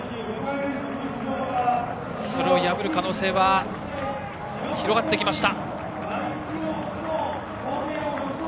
それを破る可能性は広がってきました。